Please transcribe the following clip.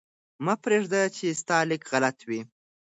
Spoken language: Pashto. مه پرېږده چې ستا لیکل غلط وي.